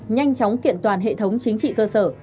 nhanh chóng kiện toàn hệ thống chính trị cơ sở